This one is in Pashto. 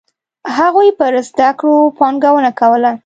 هغوی پر زده کړو پانګونه کوله.